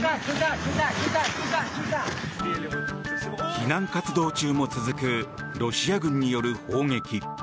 避難活動中も続くロシア軍による砲撃。